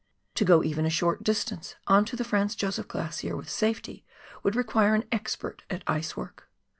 To go even a short distance on to the Franz Josef Glacier with safety would require an expert at ice work.